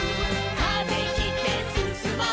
「風切ってすすもう」